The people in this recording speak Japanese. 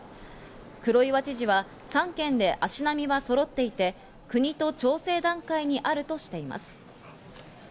黒岩知事は３県で足並みはそろっていて、国と調整段階にあるとしています。